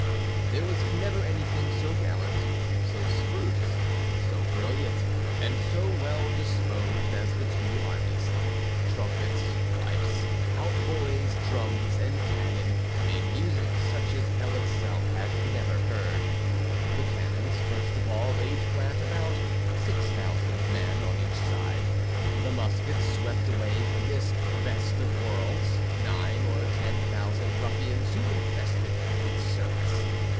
There was never anything so gallant, so spruce, so brilliant, and so well disposed as the two armies. Trumpets, fifes, hautboys, drums, and cannon made music such as Hell itself had never heard. The cannons first of all laid flat about six thousand men on each side; the muskets swept away from this best of worlds nine or ten thousand ruffians who infested its surface.